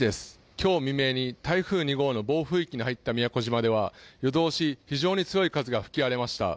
今日未明に台風２号の暴風域に入った宮古島では夜通し非常に強い風が吹き荒れました。